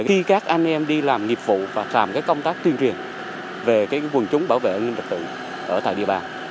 khi các anh em đi làm nghiệp vụ và làm công tác tuyên truyền về quần chúng bảo vệ an ninh trật tự ở tại địa bàn